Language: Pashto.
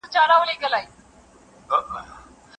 پرېږده چي دا سره لمبه په خوله لري